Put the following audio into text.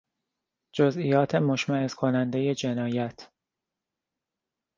جزئیات مشمئز کنندهی جنایت